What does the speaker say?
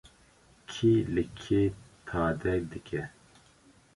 Kî li kê tade dike?